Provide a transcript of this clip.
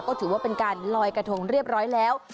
ก็ถือว่าเป็นการลอยกระทงเรียบร้อยแล้ว